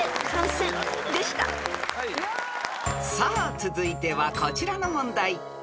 ［さあ続いてはこちらの問題］